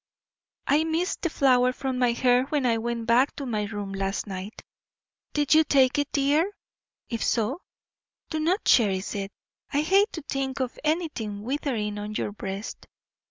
I missed the flower from my hair when I went back to my room last night. Did you take it, dear? If so, do not cherish it. I hate to think of anything withering on your breast.